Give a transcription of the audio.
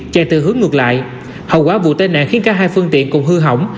chạy từ hướng ngược lại hậu quả vụ tai nạn khiến cả hai phương tiện cùng hư hỏng